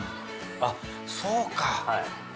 あっそうか。